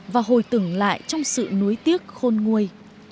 và hồi tưởng lại trong sự nối tiếc khôn nguôi